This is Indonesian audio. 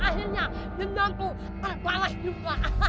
akhirnya jendangku terbalas juga